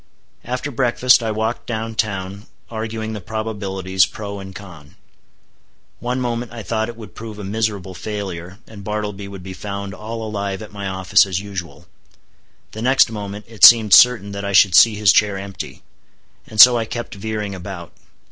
After breakfast, I walked down town, arguing the probabilities pro and con. One moment I thought it would prove a miserable failure, and Bartleby would be found all alive at my office as usual; the next moment it seemed certain that I should see his chair empty. And so I kept veering about.